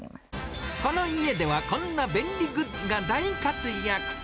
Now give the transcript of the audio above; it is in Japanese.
この家では、こんな便利グッズが大活躍。